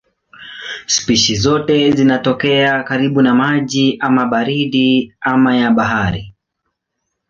Spishi zote zinatokea karibu na maji ama baridi ama ya bahari.